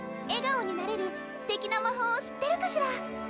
えがおになれるすてきな魔法を知ってるかしら？